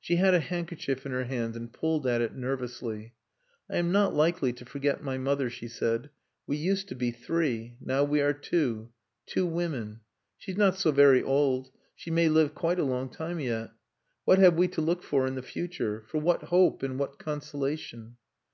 She had a handkerchief in her hands and pulled at it nervously. "I am not likely to forget my mother," she said. "We used to be three. Now we are two two women. She's not so very old. She may live quite a long time yet. What have we to look for in the future? For what hope and what consolation?"